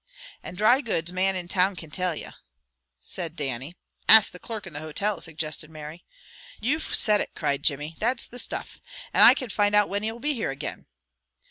"Any dry goods man in town can tell ye," said Dannie. "Ask the clerk in the hotel," suggested Mary. "You've said it," cried Jimmy. "That's the stuff! And I can find out whin he will be here again."